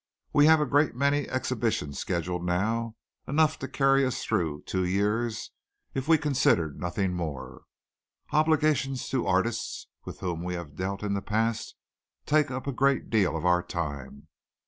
"We have a great many exhibitions scheduled now enough to carry us through two years if we considered nothing more. Obligations to artists with whom we have dealt in the past take up a great deal of our time.